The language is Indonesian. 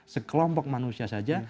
sekelompok manusia saja